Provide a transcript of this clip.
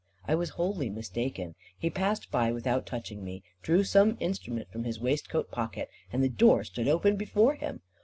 I was wholly mistaken. He passed by, without touching me, drew some instrument from his waistcoat pocket, and the door stood open before him.